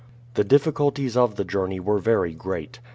The difficulties of the journey were very great.